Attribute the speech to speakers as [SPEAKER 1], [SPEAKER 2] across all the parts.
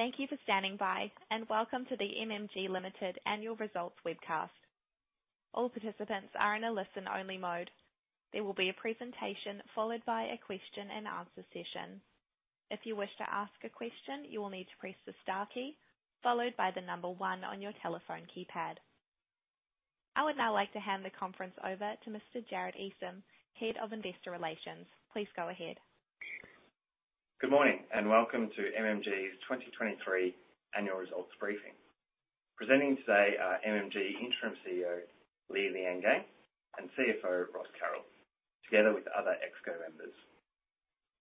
[SPEAKER 1] Thank you for standing by, and welcome to the MMG Limited Annual Results webcast. All participants are in a listen-only mode. There will be a presentation followed by a question-and-answer session. If you wish to ask a question, you will need to press the star key followed by the number one on your telephone keypad. I would now like to hand the conference over to Mr. Jarrod Eastham, Head of Investor Relations. Please go ahead.
[SPEAKER 2] Good morning, and welcome to MMG's 2023 annual results briefing. Presenting today are MMG Interim CEO, Li Liangang, and CFO, Ross Carroll, together with other ExCo members.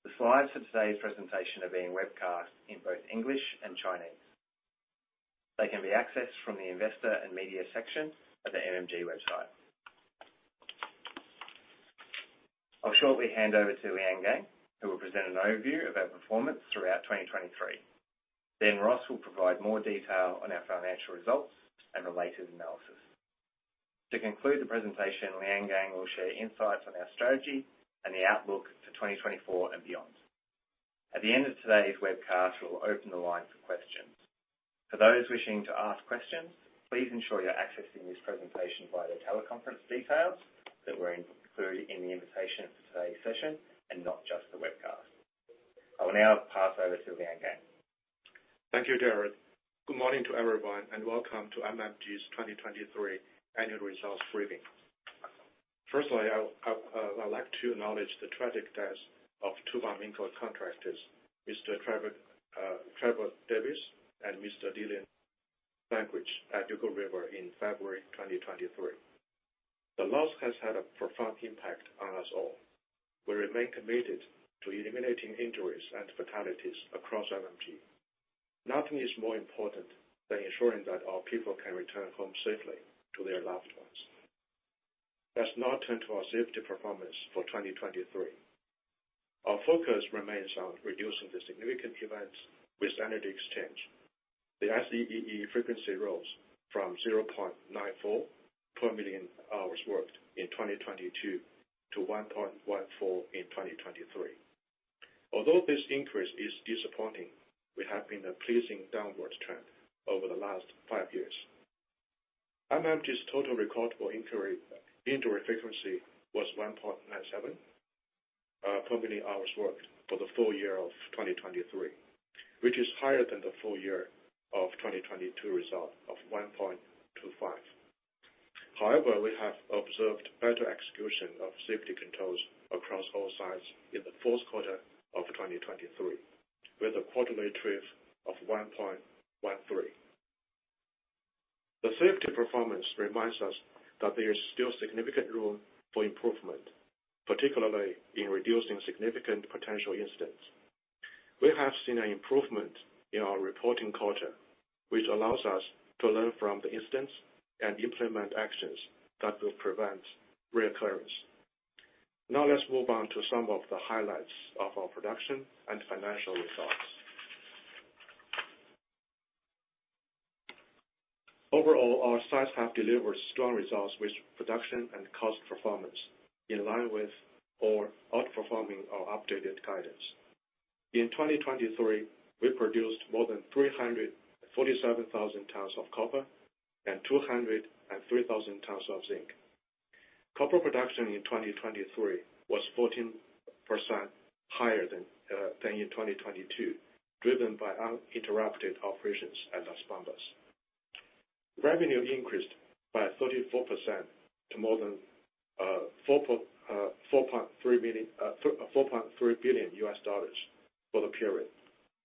[SPEAKER 2] The slides for today's presentation are being webcast in both English and Chinese. They can be accessed from the Investor and Media section of the MMG website. I'll shortly hand over to Liangang, who will present an overview of our performance throughout 2023. Then Ross will provide more detail on our financial results and related analysis. To conclude the presentation, Liangang will share insights on our strategy and the outlook for 2024 and beyond. At the end of today's webcast, we'll open the line for questions. For those wishing to ask questions, please ensure you're accessing this presentation via the teleconference details that were included in the invitation for today's session, and not just the webcast. I will now pass over to Li Liangang.
[SPEAKER 3] Thank you, Jarrod. Good morning to everyone, and welcome to MMG's 2023 annual results briefing. Firstly, I'd like to acknowledge the tragic deaths of two of our mining contractors, Mr. Trevor Davis and Mr. Dylan Langridge at Dugald River in February 2023. The loss has had a profound impact on us all. We remain committed to eliminating injuries and fatalities across MMG. Nothing is more important than ensuring that our people can return home safely to their loved ones. Let's now turn to our safety performance for 2023. Our focus remains on reducing the significant events with energy exchange. The SEEE frequency rose from 0.94 per million hours worked in 2022 to 1.14 in 2023. Although this increase is disappointing, we have been a pleasing downward trend over the last five years. MMG's total recordable injury frequency was 1.97 per million hours worked for the full year of 2023, which is higher than the full year of 2022 result of 1.25. However, we have observed better execution of safety controls across all sites in the fourth quarter of 2023, with a quarterly TRIF of 1.13. The safety performance reminds us that there is still significant room for improvement, particularly in reducing significant potential incidents. We have seen an improvement in our reporting culture, which allows us to learn from the incidents and implement actions that will prevent reoccurrence. Now, let's move on to some of the highlights of our production and financial results. Overall, our sites have delivered strong results with production and cost performance in line with or outperforming our updated guidance. In 2023, we produced more than 347,000 tons of copper and 203,000 tons of zinc. Copper production in 2023 was 14% higher than in 2022, driven by uninterrupted operations at Las Bambas. Revenue increased by 34% to more than $4.3 billion for the period,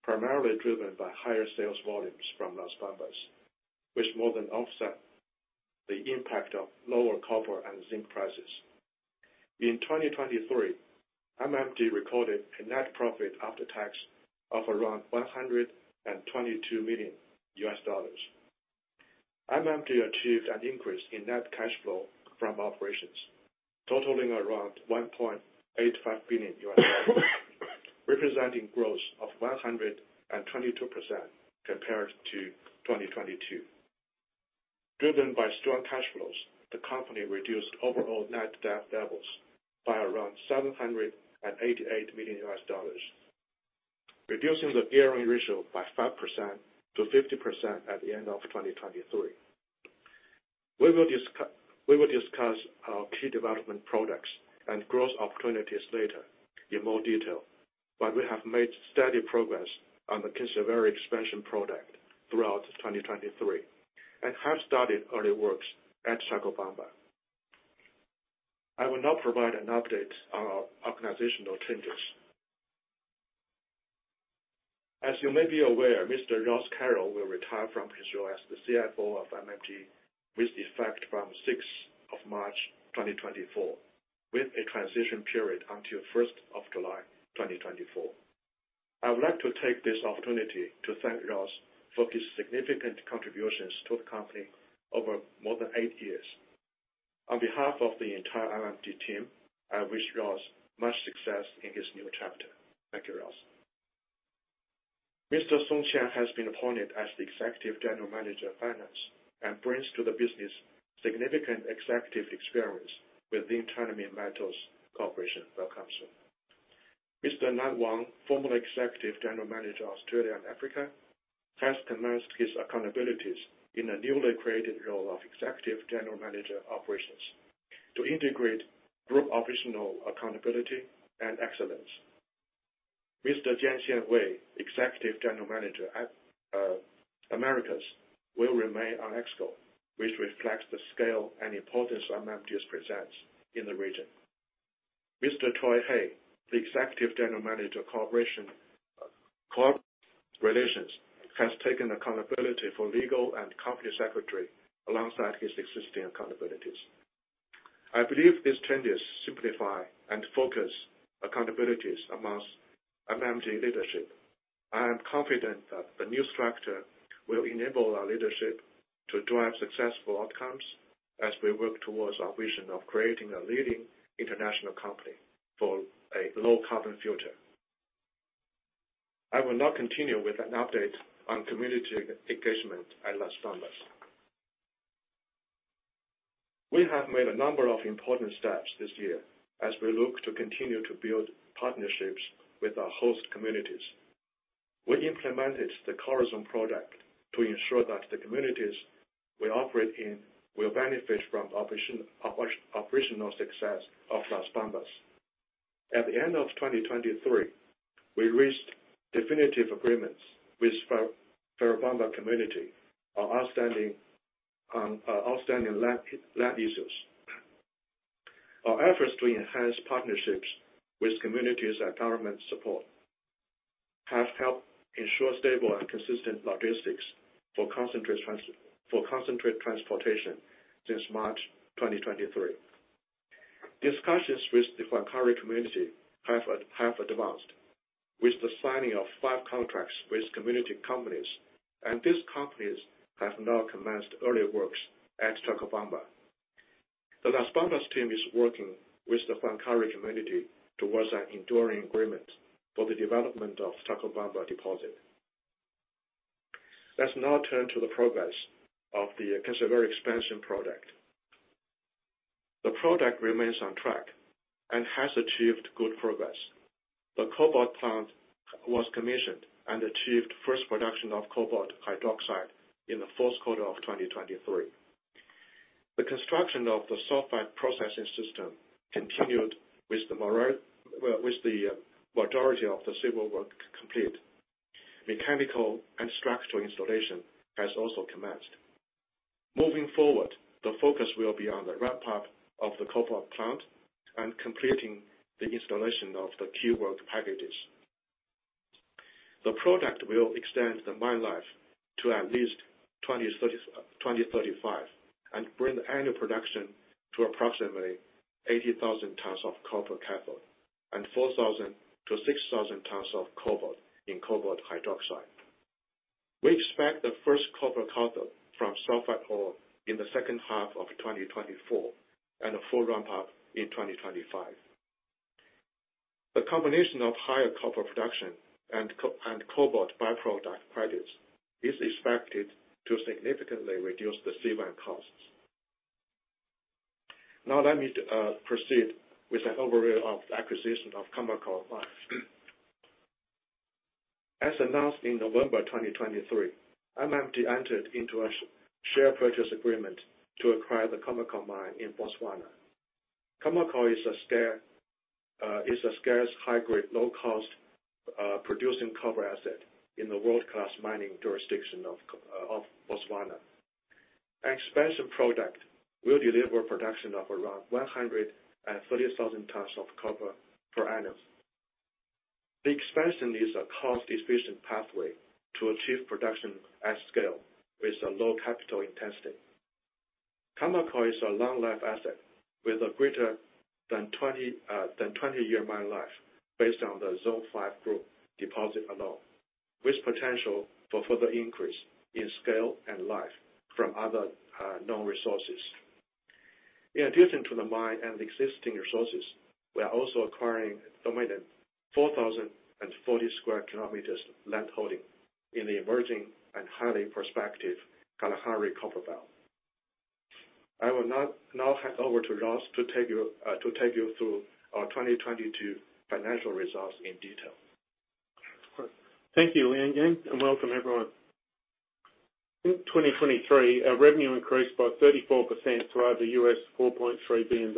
[SPEAKER 3] primarily driven by higher sales volumes from Las Bambas, which more than offset the impact of lower copper and zinc prices. In 2023, MMG recorded a net profit after tax of around $122 million. MMG achieved an increase in net cash flow from operations, totaling around $1.85 billion, representing growth of 122% compared to 2022. Driven by strong cash flows, the company reduced overall net debt levels by around $788 million, reducing the gearing ratio by 5%-50% at the end of 2023. We will discuss our key development products and growth opportunities later in more detail, but we have made steady progress on the Kinsevere expansion project throughout 2023 and have started early works at Chalcobamba. I will now provide an update on our organizational changes. As you may be aware, Mr. Ross Carroll will retire from his role as the CFO of MMG, with effect from sixth of March 2024, with a transition period until first of July 2024. I would like to take this opportunity to thank Ross for his significant contributions to the company over more than eight years. On behalf of the entire MMG team, I wish Ross much success in his new chapter. Thank you, Ross. Mr. Song Qian has been appointed as the Executive General Manager of Finance, and brings to the business significant executive experience with the China Minmetals Corporation. Welcome, sir. Mr. Nan Wang, former Executive General Manager, Australia and Africa, has commenced his accountabilities in a newly created role of Executive General Manager, Operations, to integrate group operational accountability and excellence. Mr. Jianxian Wei, Executive General Manager at Americas, will remain on ExCo, which reflects the scale and importance MMG presents in the region. Mr. Troy Hey, the Executive General Manager of Corporate Relations, has taken accountability for legal and company secretary alongside his existing accountabilities. I believe these changes simplify and focus accountabilities amongst MMG leadership. I am confident that the new structure will enable our leadership to drive successful outcomes as we work towards our vision of creating a leading international company for a low-carbon future. I will now continue with an update on community engagement at Las Bambas. We have made a number of important steps this year as we look to continue to build partnerships with our host communities. We implemented the Corazón project to ensure that the communities we operate in will benefit from operational success of Las Bambas. At the end of 2023, we reached definitive agreements with Fuerabamba community on outstanding, on, outstanding land, land uses. Our efforts to enhance partnerships with communities and government support have helped ensure stable and consistent logistics for concentrate transportation since March 2023. Discussions with the Huancuire community have advanced with the signing of five contracts with community companies, and these companies have now commenced early works at Chalcobamba. The Las Bambas team is working with the Huancuire community towards an enduring agreement for the development of Chalcobamba deposit. Let's now turn to the progress of the Kinsevere expansion project. The project remains on track and has achieved good progress. The cobalt plant was commissioned and achieved first production of cobalt hydroxide in the fourth quarter of 2023. The construction of the sulfide processing system continued with the majority of the civil work complete. Mechanical and structural installation has also commenced. Moving forward, the focus will be on the ramp-up of the cobalt plant and completing the installation of the key work packages. The project will extend the mine life to at least 2030, 2035, and bring the annual production to approximately 80,000 tons of copper cathode and 4,000-6,000 tons of cobalt in cobalt hydroxide. We expect the first copper cathode from sulfide ore in the second half of 2024 and a full ramp-up in 2025. The combination of higher copper production and co- and cobalt by-product credits is expected to significantly reduce the C1 costs. Now let me proceed with an overview of the acquisition of Khoemacau Mine. As announced in November 2023, MMG entered into a share purchase agreement to acquire the Khoemacau Mine in Botswana. Khoemacau is a scarce, high-grade, low-cost, producing copper asset in the world-class mining jurisdiction of Botswana. Expansion project will deliver production of around 130,000 tons of copper per annum. The expansion is a cost-efficient pathway to achieve production at scale with a low capital intensity. Khoemacau is a long-life asset with a greater than 20-year mine life, based on the Zone 5 group deposit alone, with potential for further increase in scale and life from other known resources. In addition to the mine and existing resources, we are also acquiring an estimated 4,040 square kilometers landholding in the emerging and highly prospective Kalahari Copper Belt. I will now hand over to Ross to take you through our 2022 financial results in detail.
[SPEAKER 4] Thank you, Liangang, and welcome, everyone. In 2023, our revenue increased by 34% to over $4.3 billion.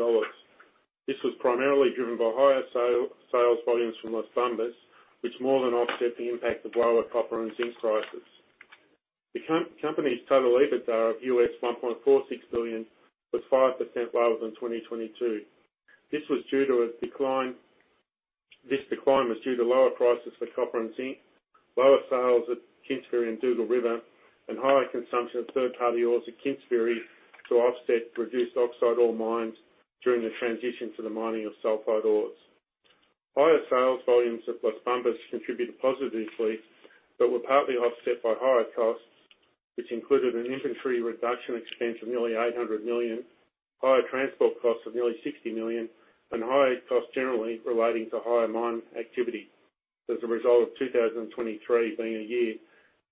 [SPEAKER 4] This was primarily driven by higher sales volumes from Las Bambas, which more than offset the impact of lower copper and zinc prices. The company's total EBITDA of $1.46 billion was 5% lower than 2022. This was due to a decline. This decline was due to lower prices for copper and zinc, lower sales at Kinsevere and Dugald River, and higher consumption of third-party ores at Kinsevere to offset reduced oxide ore mining during the transition to the mining of sulfide ores. Higher sales volumes at Las Bambas contributed positively, but were partly offset by higher costs, which included an inventory reduction expense of nearly $800 million, higher transport costs of nearly $60 million, and higher costs generally relating to higher mine activity as a result of 2023 being a year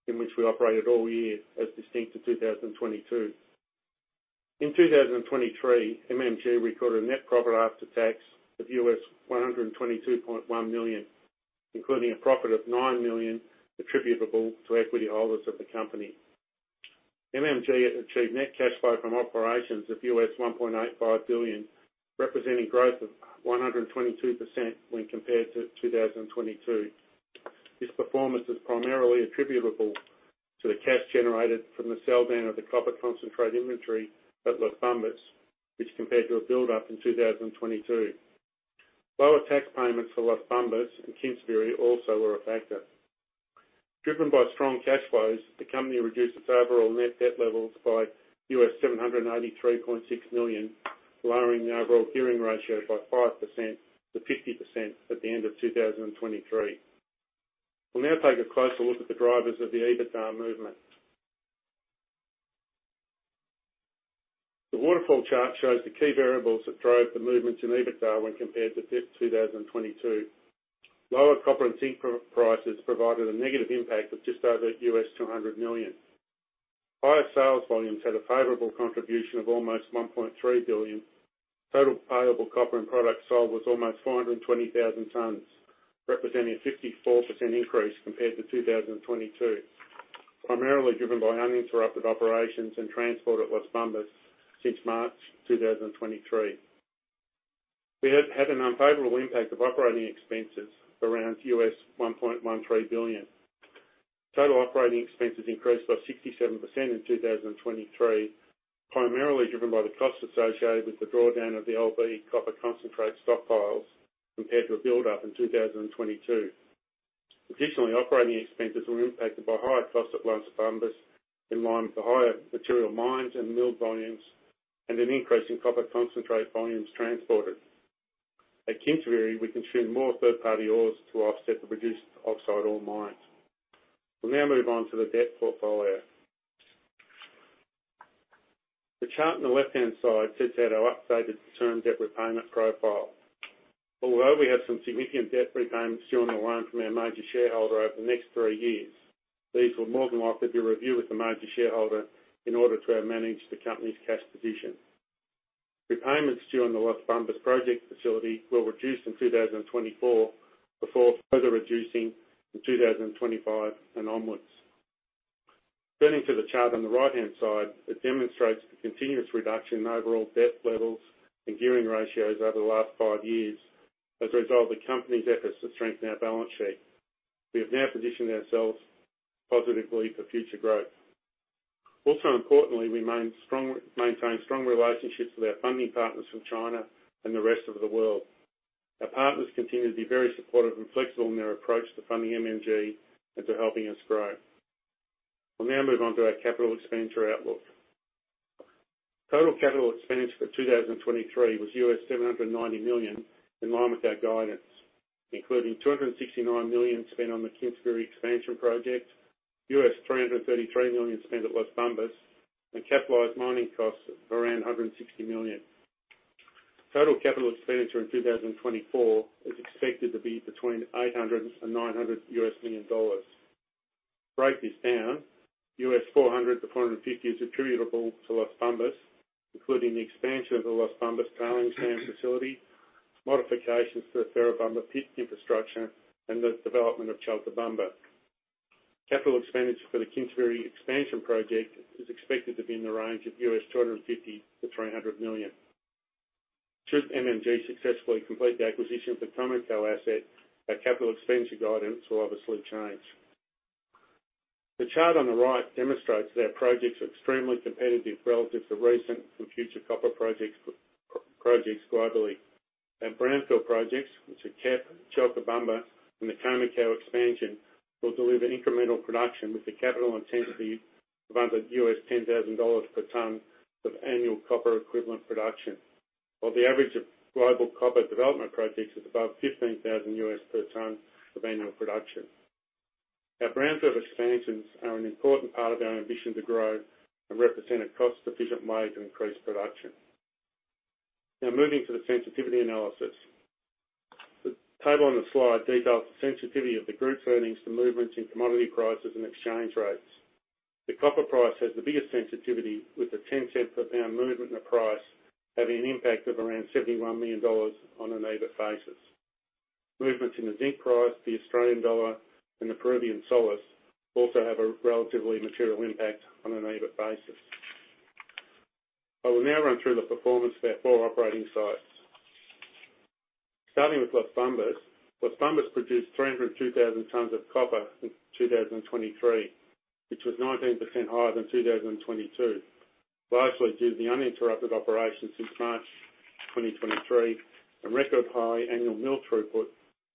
[SPEAKER 4] in which we operated all year, as distinct to 2022. In 2023, MMG recorded a net profit after tax of $122.1 million, including a profit of $9 million attributable to equity holders of the company. MMG achieved net cash flow from operations of $1.85 billion, representing growth of 122% when compared to 2022. This performance is primarily attributable to the cash generated from the sell down of the copper concentrate inventory at Las Bambas, which compared to a build-up in 2022. Lower tax payments for Las Bambas and Kinsevere also were a factor. Driven by strong cash flows, the company reduced its overall net debt levels by $783.6 million, lowering the overall gearing ratio by 5%-50% at the end of 2023. We'll now take a closer look at the drivers of the EBITDA movement. The waterfall chart shows the key variables that drove the movement in EBITDA when compared to FY 2022. Lower copper and zinc prices provided a negative impact of just over $200 million. Higher sales volumes had a favorable contribution of almost $1.3 billion. Total payable copper and products sold was almost 420,000 tons, representing a 54% increase compared to 2022, primarily driven by uninterrupted operations and transport at Las Bambas since March 2023. We have had an unfavorable impact of operating expenses around $1.13 billion. Total operating expenses increased by 67% in 2023, primarily driven by the costs associated with the drawdown of the LB copper concentrate stockpiles compared to a build-up in 2022. Additionally, operating expenses were impacted by higher costs at Las Bambas, in line with the higher material mines and mill volumes, and an increase in copper concentrate volumes transported. At Kinsevere, we consumed more third-party ores to offset the reduced oxide ore mines. We'll now move on to the debt portfolio. The chart on the left-hand side sets out our updated term debt repayment profile. Although we have some significant debt repayments due on the loan from our major shareholder over the next three years, these will more than likely be reviewed with the major shareholder in order to manage the company's cash position. Repayments due on the Las Bambas project facility will reduce in 2024, before further reducing in 2025 and onwards. Turning to the chart on the right-hand side, it demonstrates the continuous reduction in overall debt levels and gearing ratios over the last five years as a result of the company's efforts to strengthen our balance sheet. We have now positioned ourselves positively for future growth. Also importantly, we maintain strong relationships with our funding partners from China and the rest of the world. Our partners continue to be very supportive and flexible in their approach to funding MMG and to helping us grow. We'll now move on to our capital expenditure outlook. Total capital expenditure for 2023 was $790 million, in line with our guidance, including $269 million spent on the Kinsevere expansion project, $333 million spent at Las Bambas, and capitalized mining costs of around $160 million. Total capital expenditure in 2024 is expected to be between $800 million and $900 million. To break this down, $400 million-$450 million is attributable to Las Bambas, including the expansion of the Las Bambas tailings dam facility, modifications to the Fuerabamba pit infrastructure, and the development of Chalcobamba. Capital expenditure for the Kinsevere Expansion Project is expected to be in the range of $250 million-$300 million. Should MMG successfully complete the acquisition of the Khoemacau asset, our capital expenditure guidance will obviously change. The chart on the right demonstrates that our projects are extremely competitive relative to recent and future copper projects, projects globally. Our brownfield projects, which are KEP, Chalcobamba, and the Khoemacau expansion, will deliver incremental production with a capital intensity of under $10,000 per ton of annual copper equivalent production, while the average of global copper development projects is above $15,000 per tonne of annual production. Our brownfield expansions are an important part of our ambition to grow and represent a cost-efficient way to increase production. Now, moving to the sensitivity analysis. The table on the slide details the sensitivity of the group's earnings to movements in commodity prices and exchange rates. The copper price has the biggest sensitivity, with a 10-cent per pound movement in the price having an impact of around $71 million on an EBIT basis. Movements in the zinc price, the Australian dollar, and the Peruvian soles also have a relatively material impact on an EBIT basis. I will now run through the performance of our four operating sites. Starting with Las Bambas. Las Bambas produced 302,000 tons of copper in 2023, which was 19% higher than 2022, largely due to the uninterrupted operation since March 2023, and record high annual mill throughput,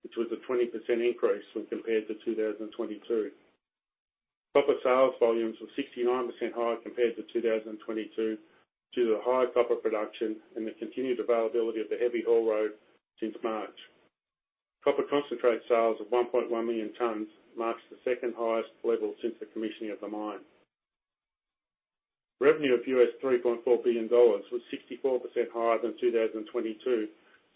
[SPEAKER 4] which was a 20% increase when compared to 2022. Copper sales volumes were 69% higher compared to 2022, due to the higher copper production and the continued availability of the heavy haul road since March. Copper concentrate sales of 1.1 million tons marks the second highest level since the commissioning of the mine. Revenue of $3.4 billion was 64% higher than 2022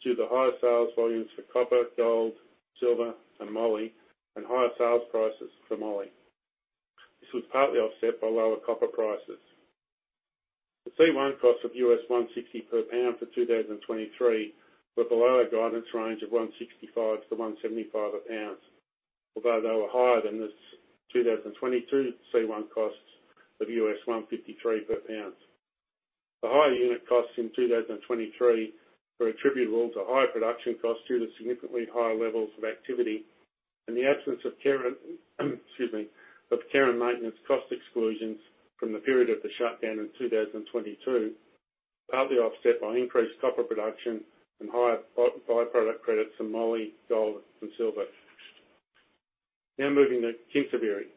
[SPEAKER 4] due to the higher sales volumes for copper, gold, silver, and moly, and higher sales prices for moly. This was partly offset by lower copper prices. The C1 cost of $160 per pound for 2023 were below our guidance range of $165-$175 a pound, although they were higher than this 2022 C1 costs of $153 per pound. The higher unit costs in 2023 were attributable to higher production costs due to significantly higher levels of activity, and the absence of care and, excuse me, of care and maintenance cost exclusions from the period of the shutdown in 2022, partly offset by increased copper production and higher by-product credits from moly, gold, and silver. Now moving to Kinsevere.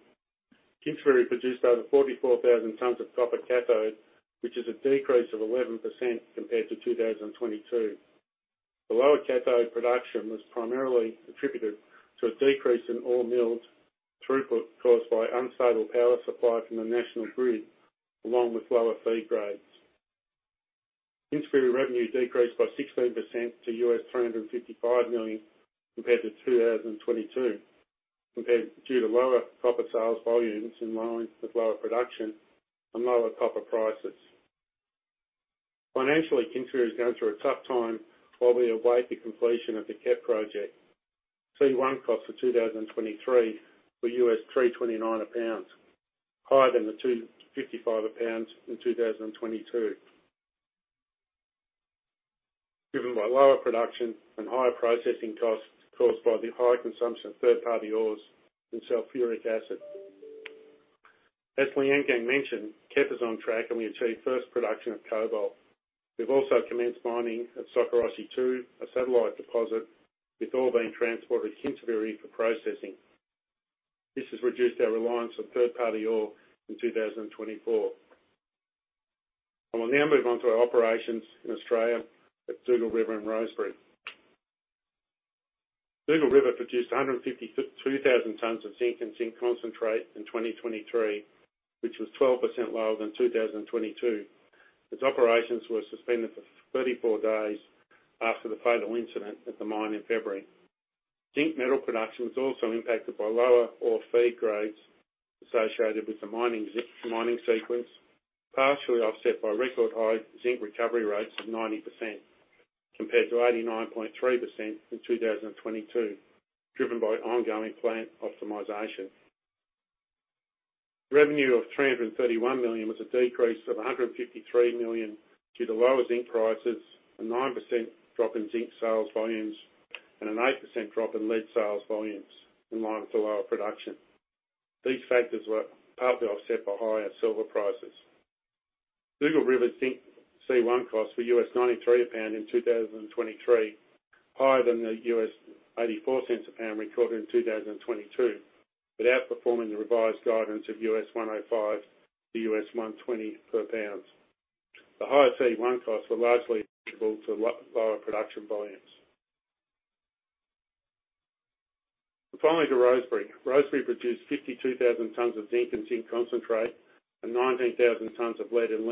[SPEAKER 4] Kinsevere produced over 44,000 tons of copper cathode, which is a decrease of 11% compared to 2022. The lower cathode production was primarily attributed to a decrease in ore mills' throughput caused by unstable power supply from the national grid, along with lower feed grades. Kinsevere revenue decreased by 16% to $355 million compared to 2022 due to lower copper sales volumes in line with lower production and lower copper prices. Financially, Kinsevere is going through a tough time while we await the completion of the KEP project. C1 costs for 2023 were $329 a pound, higher than the $255 a pound in 2022. Driven by lower production and higher processing costs caused by the high consumption of third-party ores and sulfuric acid. As Li Liangang mentioned, KEP is on track, and we achieved first production of cobalt. We've also commenced mining at Sokoroshe II, a satellite deposit, with ore being transported to Kinsevere for processing. This has reduced our reliance on third-party ore in 2024. I will now move on to our operations in Australia at Dugald River and Rosebery. Dugald River produced 152,000 tons of zinc and zinc concentrate in 2023, which was 12% lower than 2022, as operations were suspended for 34 days after the fatal incident at the mine in February. Zinc metal production was also impacted by lower ore feed grades associated with the mining sequence, partially offset by record high zinc recovery rates of 90%, compared to 89.3% in 2022, driven by ongoing plant optimization. Revenue of $331 million was a decrease of $153 million due to lower zinc prices, a 9% drop in zinc sales volumes, and an 8% drop in lead sales volumes in line with the lower production. These factors were partly offset by higher silver prices. Dugald River zinc C1 costs were $0.93 per pound in 2023, higher than the $0.84 per pound recorded in 2022, but outperforming the revised guidance of $1.05-$1.20 per pound. The higher C1 costs were largely attributable to lower production volumes. And finally, to Rosebery. Rosebery produced 52,000 tons of zinc and zinc concentrate, and 19,000 tons of lead and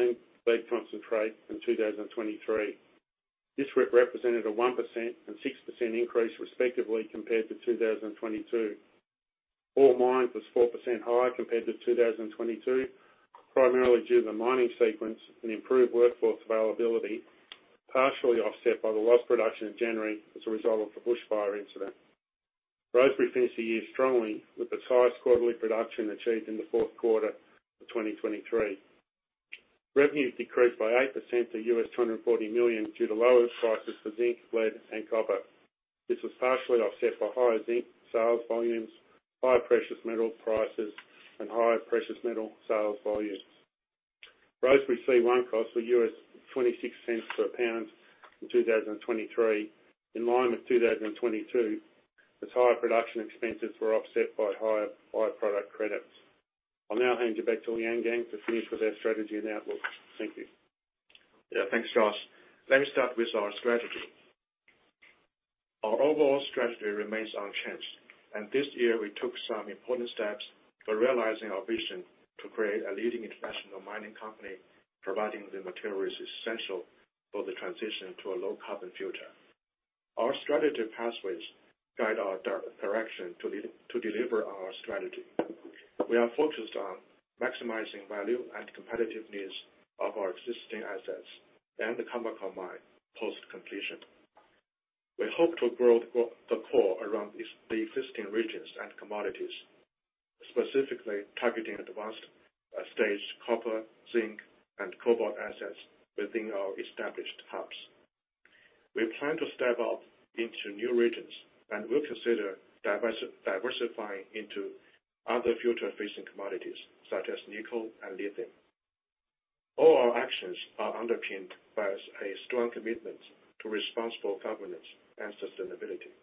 [SPEAKER 4] lead concentrate in 2023. This represented a 1% and 6% increase, respectively, compared to 2022. Ore mined was 4% higher compared to 2022, primarily due to the mining sequence and improved workforce availability, partially offset by the lost production in January as a result of the bushfire incident. Rosebery finished the year strongly, with its highest quarterly production achieved in the fourth quarter of 2023. Revenue decreased by 8% to $240 million due to lower prices for zinc, lead, and copper. This was partially offset by higher zinc sales volumes, higher precious metal prices, and higher precious metal sales volumes. Rosebery C1 costs were $0.26 per pound in 2023, in line with 2022, as higher production expenses were offset by higher by-product credits. I'll now hand you back to Liangang to finish with our strategy and outlook. Thank you.
[SPEAKER 3] Yeah, thanks, Josh. Let me start with our strategy. Our overall strategy remains unchanged, and this year we took some important steps for realizing our vision to create a leading international mining company, providing the materials essential for the transition to a low-carbon future. Our strategic pathways guide our direction to deliver our strategy. We are focused on maximizing value and competitiveness of our existing assets and the Khoemacau mine, post-completion. We hope to grow the core around the existing regions and commodities, specifically targeting advanced stage copper, zinc, and cobalt assets within our established hubs. We plan to step up into new regions and will consider diversifying into other future-facing commodities, such as nickel and lithium. All our actions are underpinned by a strong commitment to responsible governance and sustainability.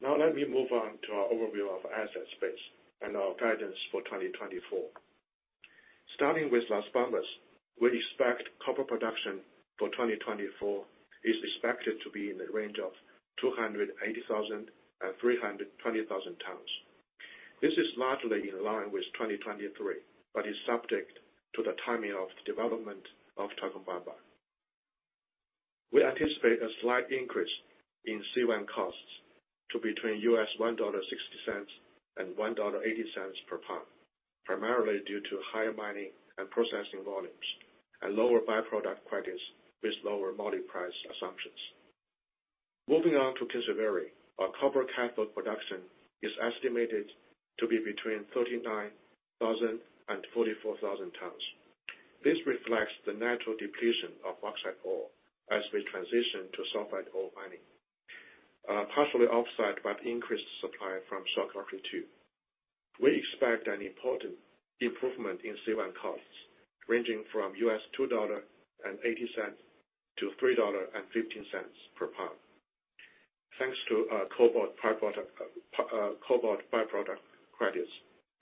[SPEAKER 3] Now, let me move on to our overview of asset space and our guidance for 2024. Starting with Las Bambas, we expect copper production for 2024 is expected to be in the range of 280,000 tons-320,000 tons. This is largely in line with 2023, but is subject to the timing of the development of Chalcobamba. We anticipate a slight increase in C1 costs to between $1.60-$1.80 per pound, primarily due to higher mining and processing volumes and lower by-product credits with lower by-product price assumptions. Moving on to Kinsevere, our copper cathode production is estimated to be between 39,000 tons-44,000 tons. This reflects the natural depletion of oxide ore as we transition to sulfide ore mining, partially offset by the increased supply from Sokoroshe II. We expect an important improvement in C1 costs, ranging from $2.80-$3.15 per pound, thanks to cobalt by-product credits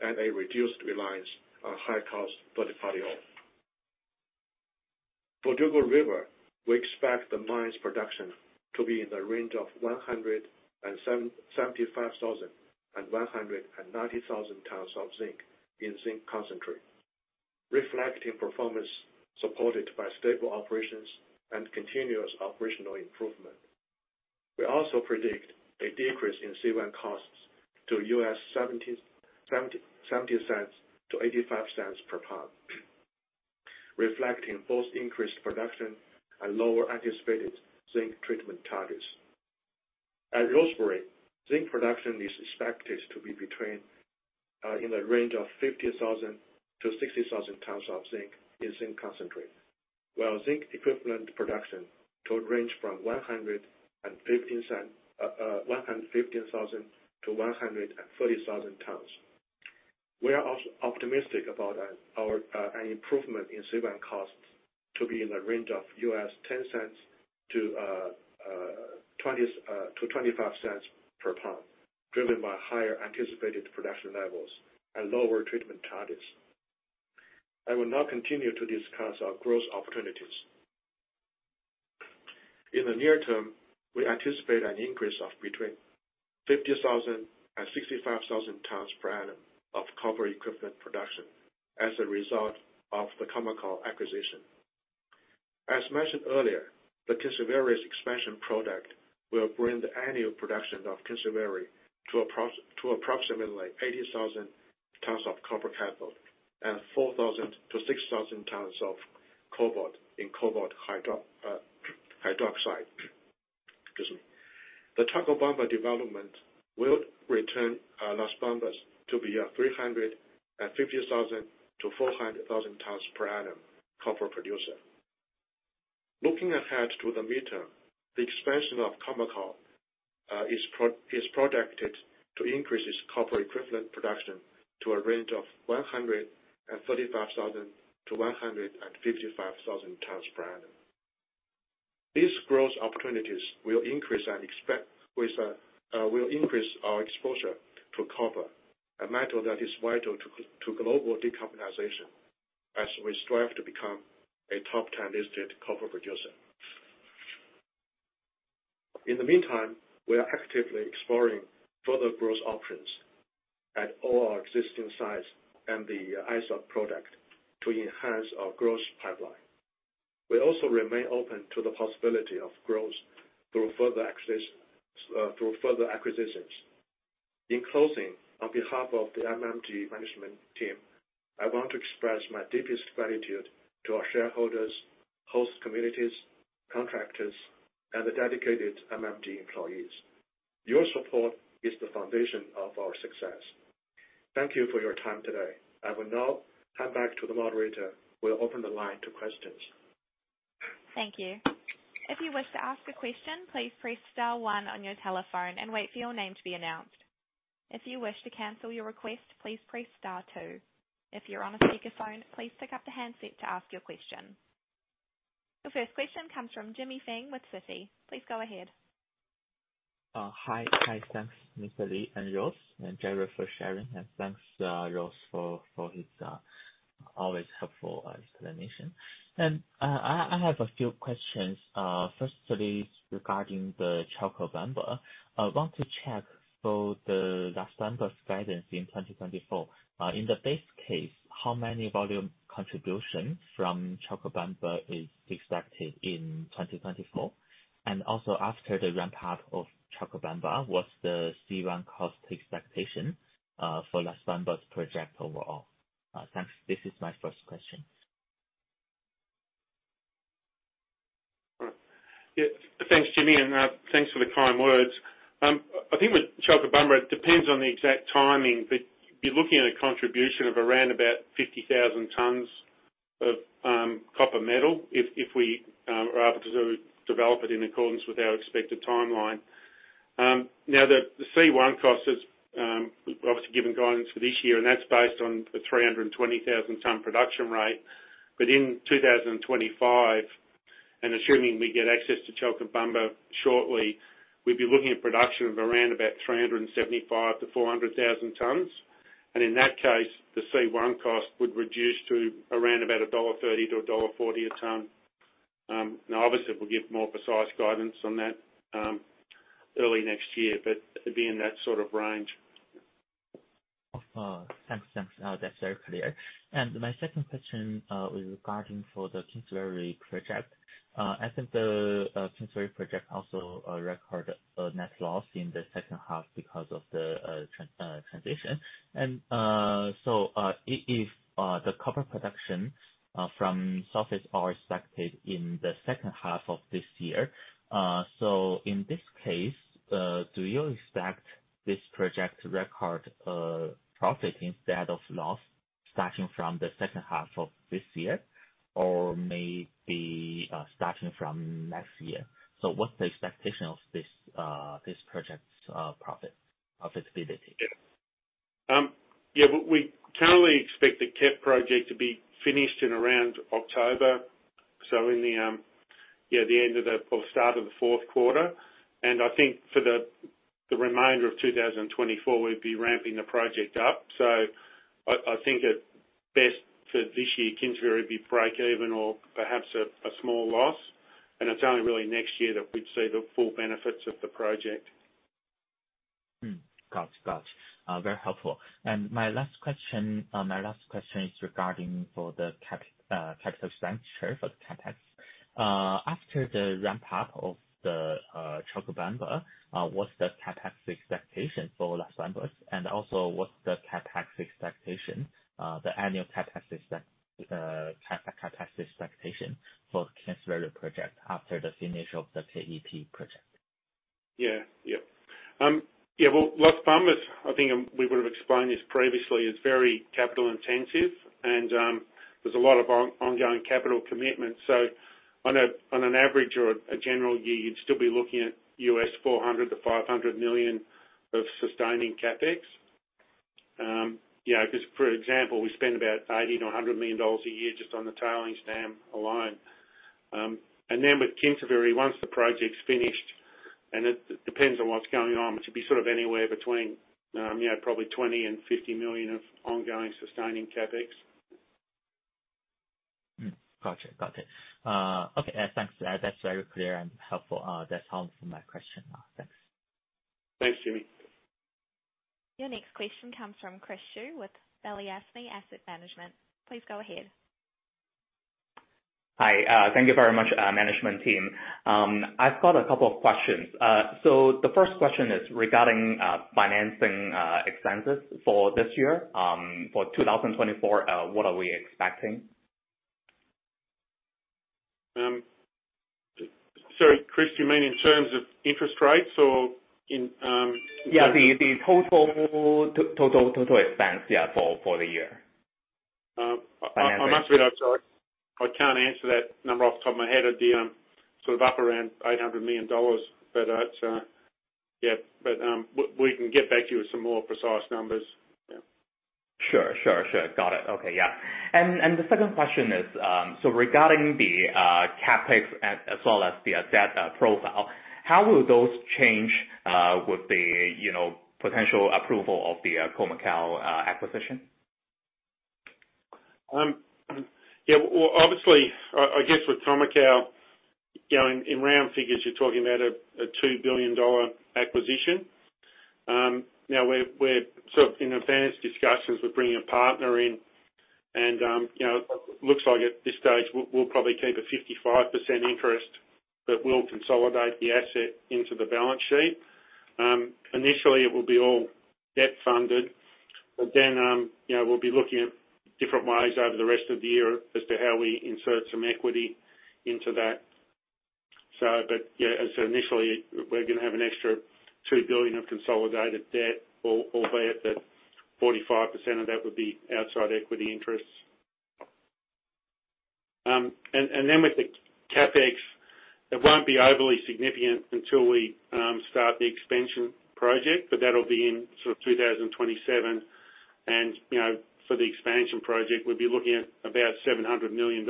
[SPEAKER 3] and a reduced reliance on high-cost third-party ore. Dugald River, we expect the mine's production to be in the range of 175,000-190,000 tons of zinc in zinc concentrate, reflecting performance supported by stable operations and continuous operational improvement. We also predict a decrease in C1 costs to $0.70-$0.85 per pound, reflecting both increased production and lower anticipated zinc treatment targets. At Rosebery, zinc production is expected to be in the range of 50,000 tons-60,000 tons of zinc in zinc concentrate. While zinc equivalent production to range from 115,000 tons-130,000 tons. We are also optimistic about our an improvement in C1 costs to be in the range of $0.10 to $0.25 per ton, driven by higher anticipated production levels and lower treatment targets. I will now continue to discuss our growth opportunities. In the near term, we anticipate an increase of between 50,000 and 65,000 tons per annum of copper equivalent production as a result of the Khoemacau acquisition. As mentioned earlier, the Kinsevere Expansion Project will bring the annual production of Kinsevere to approximately 80,000 tons of copper cathode and 4,000-6,000 tons of cobalt in cobalt hydroxide. Excuse me. The Chalcobamba development will return, Las Bambas to be a 350,000-400,000 tons per annum copper producer. Looking ahead to the midterm, the expansion of Khoemacau, is projected to increase its copper equivalent production to a range of 135,000-155,000 tons per annum. These growth opportunities will increase and expect, with, we'll increase our exposure to copper, a metal that is vital to to global decarbonization, as we strive to become a top 10 listed copper producer. In the meantime, we are actively exploring further growth options at all our existing sites and the Izok Corridor to enhance our growth pipeline. We also remain open to the possibility of growth through further access, through further acquisitions. In closing, on behalf of the MMG management team, I want to express my deepest gratitude to our shareholders, host communities, contractors, and the dedicated MMG employees. Your support is the foundation of our success. Thank you for your time today. I will now hand back to the moderator. We'll open the line to questions.
[SPEAKER 1] Thank you. If you wish to ask a question, please press star one on your telephone and wait for your name to be announced. If you wish to cancel your request, please press star two. If you're on a speakerphone, please pick up the handset to ask your question. The first question comes from Jimmy Fang with Citi. Please go ahead.
[SPEAKER 5] Hi. Hi, thanks, Mr. Li and Ross, and Jerry for sharing, and thanks, Ross, for, for his, always helpful, explanation. I have a few questions. Firstly, regarding the Chalcobamba, I want to check for the Las Bambas guidance in 2024. In the base case, how many volume contribution from Chalcobamba is expected in 2024? And also, after the ramp-up of Chalcobamba, what's the C1 cost expectation, for Las Bambas project overall? Thanks. This is my first question.
[SPEAKER 4] All right. Yeah, thanks, Jimmy, and thanks for the kind words. I think with Chalcobamba, it depends on the exact timing, but you're looking at a contribution of around about 50,000 tons of copper metal if we are able to develop it in accordance with our expected timeline. Now, the C1 cost is obviously given guidance for this year, and that's based on the 320,000-ton production rate. But in 2025, and assuming we get access to Chalcobamba shortly, we'd be looking at production of around about 375,000 tons-400,000 tons, and in that case, the C1 cost would reduce to around about $1.30-$1.40 a ton. Now, obviously, we'll give more precise guidance on that early next year, but it'd be in that sort of range. ...
[SPEAKER 5] Thanks. That's very clear. And my second question, with regarding for the Kinsevere project. I think the Kinsevere project also record net loss in the second half because of the transition. And so if the copper production from surface are expected in the second half of this year, so in this case, do you expect this project to record profit instead of loss starting from the second half of this year, or maybe starting from next year? So what's the expectation of this this project's profit, profitability?
[SPEAKER 4] Yeah. Yeah, but we currently expect the KEP project to be finished in around October. So in the, yeah, the end of the or start of the fourth quarter, and I think for the, the remainder of 2024, we'd be ramping the project up. So I, I think at best, for this year, Kinsevere be breakeven or perhaps a, a small loss, and it's only really next year that we'd see the full benefits of the project.
[SPEAKER 5] Hmm. Got it. Got it. Very helpful. And my last question is regarding for the CapEx, capital expenditure for the CapEx. After the ramp up of the Chalcobamba, what's the CapEx expectation for Las Bambas? And also, what's the CapEx expectation, the annual CapEx expectation for Kinsevere project after the finish of the KEP project?
[SPEAKER 4] Yeah. Yep. Yeah, well, Las Bambas, I think, we would've explained this previously, is very capital intensive and, there's a lot of ongoing capital commitments. So on a, on an average or a general year, you'd still be looking at $400 million-$500 million of sustaining CapEx. You know, just for example, we spend about $80 million-$100 million a year just on the tailings dam alone. And then with Kinsevere, once the project's finished, and it depends on what's going on, it should be sort of anywhere between, you know, probably $20 million-$50 million of ongoing sustaining CapEx.
[SPEAKER 5] Gotcha. Got it. Okay, thanks. That's very clear and helpful. That's all for my question. Thanks.
[SPEAKER 4] Thanks, Jimmy.
[SPEAKER 1] Your next question comes from Chris Xu with Balyasny Asset Management. Please go ahead.
[SPEAKER 6] Hi. Thank you very much, management team. I've got a couple of questions. So the first question is regarding financing expenses for this year. For 2024, what are we expecting?
[SPEAKER 4] Sorry, Chris, you mean in terms of interest rates or in,
[SPEAKER 6] Yeah, the total expense, yeah, for the year.
[SPEAKER 4] I must-
[SPEAKER 6] Finances.
[SPEAKER 4] I'm sorry. I can't answer that number off the top of my head. It'd be sort of up around $800 million. But it's but we can get back to you with some more precise numbers. Yeah.
[SPEAKER 6] Sure, sure, sure. Got it. Okay. Yeah. And the second question is, so regarding the CapEx, as well as the asset profile, how will those change with the, you know, potential approval of the Khoemacau acquisition?
[SPEAKER 4] Yeah, well, obviously, I guess with Khoemacau, you know, in round figures, you're talking about a $2 billion acquisition. Now we're sort of in advanced discussions with bringing a partner in, and, you know, looks like at this stage, we'll probably keep a 55% interest, but we'll consolidate the asset into the balance sheet. Initially it will be all debt funded, but then, you know, we'll be looking at different ways over the rest of the year as to how we insert some equity into that. So, but yeah, so initially, we're gonna have an extra $2 billion of consolidated debt, or albeit that 45% of that would be outside equity interests. And then with the CapEx, it won't be overly significant until we start the expansion project, but that'll be in sort of 2027. And, you know, for the expansion project, we'd be looking at about $700 million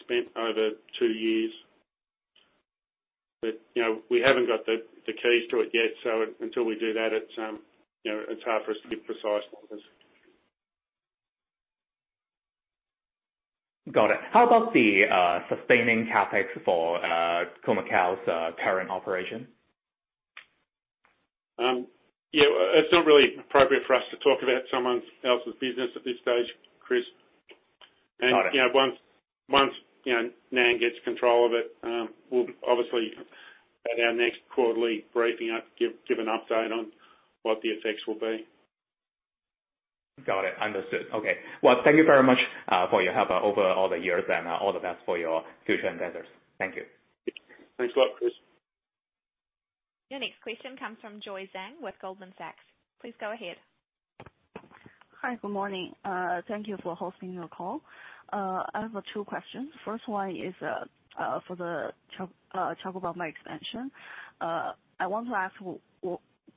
[SPEAKER 4] spent over two years. But, you know, we haven't got the keys to it yet, so until we do that, it's, you know, it's hard for us to give precise numbers.
[SPEAKER 6] Got it. How about the sustaining CapEx for Khoemacau's current operation?
[SPEAKER 4] Yeah, it's not really appropriate for us to talk about someone else's business at this stage, Chris.
[SPEAKER 6] Got it.
[SPEAKER 4] You know, once you know, Nan gets control of it, we'll obviously, at our next quarterly briefing, give an update on what the effects will be.
[SPEAKER 6] Got it. Understood. Okay. Well, thank you very much for your help over all the years, and all the best for your future endeavors. Thank you.
[SPEAKER 4] Thanks a lot, Chris.
[SPEAKER 1] Your next question comes from Joy Zhang with Goldman Sachs. Please go ahead.
[SPEAKER 7] Hi, good morning. Thank you for hosting your call. I have two questions. First one is, for the Chalcobamba expansion. I want to ask,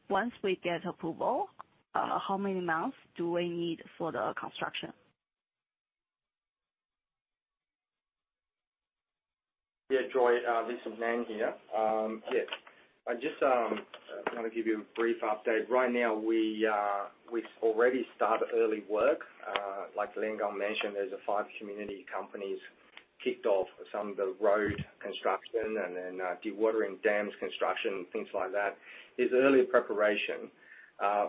[SPEAKER 7] once we get approval, how many months do we need for the construction?
[SPEAKER 8] Yeah, Joy, this is Nan here. Yeah. I just want to give you a brief update. Right now, we, we've already started early work.... like Li Liangang mentioned, there's five community companies kicked off some of the road construction and then, dewatering dams construction, things like that. It's early preparation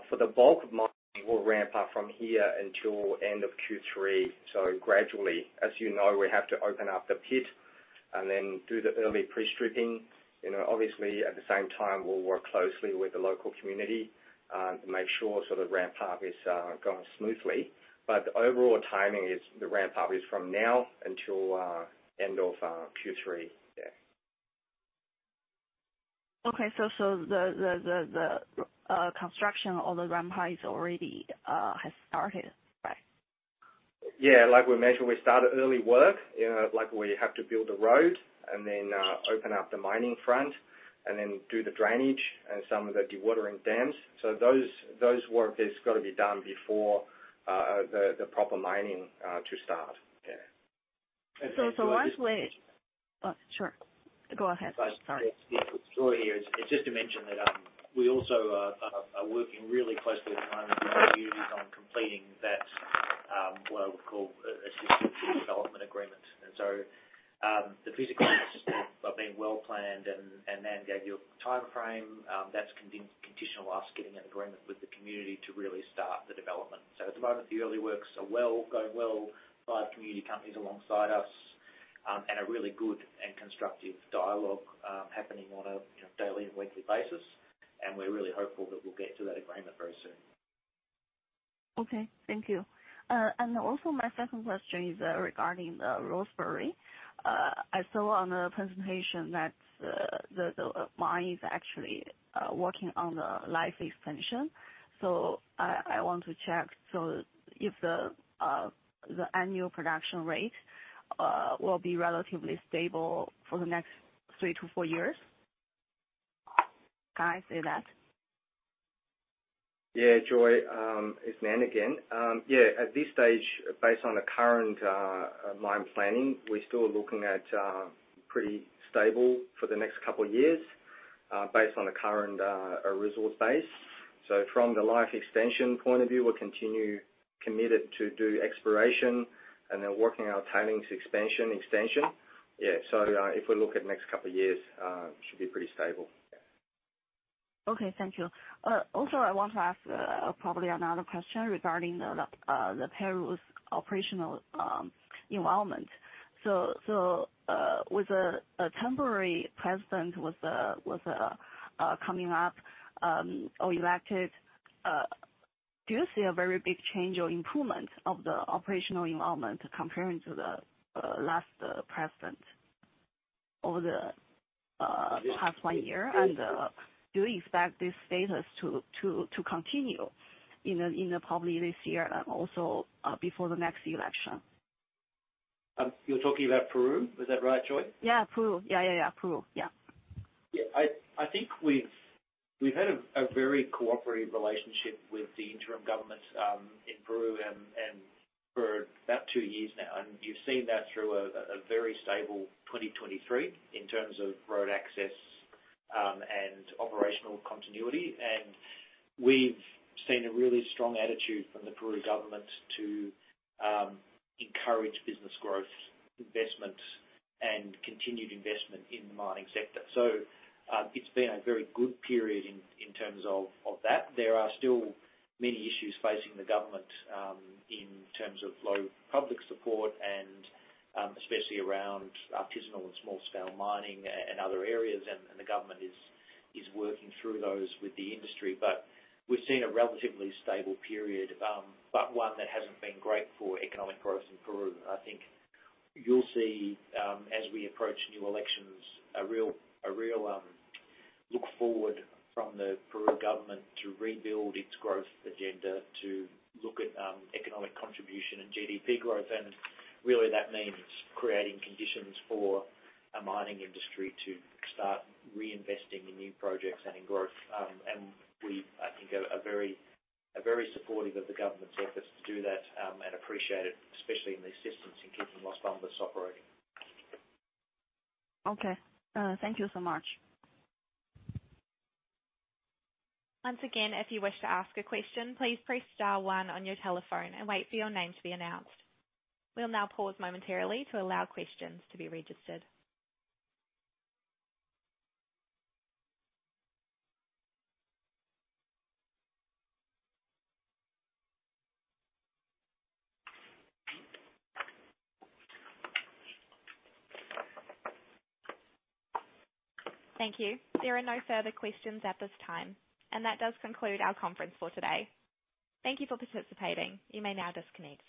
[SPEAKER 8] for the bulk of mining will ramp up from here until end of Q3. So gradually, as you know, we have to open up the pit and then do the early pre-stripping. You know, obviously, at the same time, we'll work closely with the local community to make sure so the ramp up is going smoothly. But the overall timing is the ramp up is from now until end of Q3. Yeah.
[SPEAKER 7] Okay. So, the construction of the ramp up is already has started, right?
[SPEAKER 8] Yeah. Like we mentioned, we started early work, you know, like we have to build a road and then open up the mining front and then do the drainage and some of the dewatering dams. So those work is gonna be done before the proper mining to start. Yeah.
[SPEAKER 7] Oh, sure. Go ahead. Sorry.
[SPEAKER 9] Yeah. Joy, here. It's just to mention that we also are working really closely with the mining communities on completing that what I would call a development agreement. And so, the physical aspects are being well planned, and Nan gave you a timeframe that's conditional on us getting an agreement with the community to really start the development. So at the moment, the early works are going well, five community companies alongside us, and a really good and constructive dialogue happening on a you know daily and weekly basis. And we're really hopeful that we'll get to that agreement very soon.
[SPEAKER 7] Okay. Thank you. And also my second question is, regarding the Rosebery. I saw on the presentation that the mine is actually working on the life extension. So I want to check, so if the annual production rate will be relatively stable for the next three to four years? Can I say that?
[SPEAKER 8] Yeah, Joy, it's Nan again. Yeah, at this stage, based on the current mine planning, we're still looking at pretty stable for the next couple of years, based on the current resource base. So from the life extension point of view, we're committed to do exploration and then working on our tailings expansion, extension. Yeah, so if we look at the next couple of years, should be pretty stable.
[SPEAKER 7] Okay. Thank you. Also, I want to ask probably another question regarding Peru's operational environment. So, with a temporary president with coming up or elected, do you see a very big change or improvement of the operational environment comparing to the last president over the past one year? And do you expect this status to continue in probably this year and also before the next election?
[SPEAKER 9] You're talking about Peru? Is that right, Joy?
[SPEAKER 7] Yeah, Peru. Yeah, yeah, yeah. Peru, yeah.
[SPEAKER 9] Yeah, I think we've had a very cooperative relationship with the interim government in Peru, and for about two years now. You've seen that through a very stable 2023 in terms of road access and operational continuity. We've seen a really strong attitude from the Peru government to encourage business growth, investment, and continued investment in the mining sector. It's been a very good period in terms of that. There are still many issues facing the government in terms of low public support and especially around artisanal and small-scale mining and other areas, and the government is working through those with the industry. We've seen a relatively stable period, but one that hasn't been great for economic growth in Peru. I think you'll see, as we approach new elections, a real look forward from the Peruvian government to rebuild its growth agenda, to look at economic contribution and GDP growth. And really, that means creating conditions for a mining industry to start reinvesting in new projects and in growth. And we, I think, are very supportive of the government's efforts to do that, and appreciate it, especially in the assistance in keeping Las Bambas operating.
[SPEAKER 7] Okay. Thank you so much.
[SPEAKER 1] Once again, if you wish to ask a question, please press star one on your telephone and wait for your name to be announced. We'll now pause momentarily to allow questions to be registered. Thank you. There are no further questions at this time, and that does conclude our conference for today. Thank you for participating. You may now disconnect.